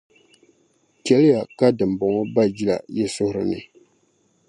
Chɛliya ka dimbɔŋɔ ba jila yi suhuri ni.